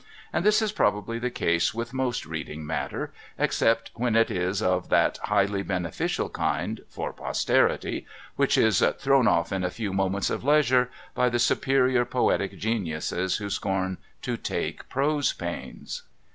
And this is probably the case with most reading matter, except when it is of that highly beneficial kind (for Posterity) which is ' thrown off in a few moments of leisure ' by the superior poetic geniuses who scorn to take prose pains.